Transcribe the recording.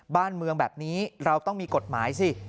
บ้านเมืองแบบนี้เราต้องมีกฎหมายสิ